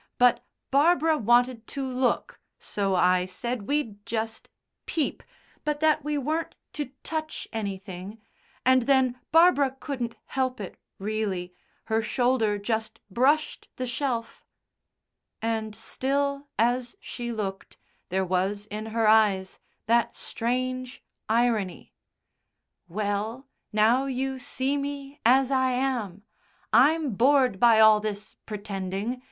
But Barbara wanted to look so I said we'd just peep, but that we weren't to touch anything, and then Barbara couldn't help it, really; her shoulder just brushed the shelf " and still as she looked there was in her eyes that strange irony: "Well, now you see me as I am I'm bored by all this pretending.